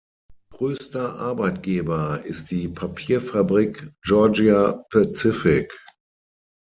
Größter Arbeitgeber ist die Papierfabrik Georgia Pacific.